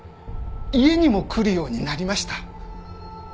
家にも来るようになりました。